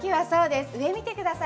上を見てください。